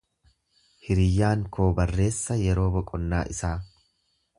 Hiriyyaan koo barreessa yeroo boqonnaa.